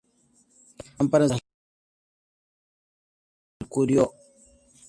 Las lámparas de Hewitt usaban una gran cantidad de mercurio.